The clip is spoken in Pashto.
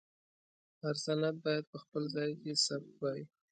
هر سند باید په خپل ځای کې ثبت وای.